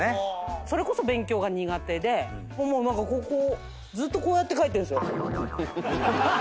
それこそ勉強が苦手で何かこうずっとこうやって書いてんですよ。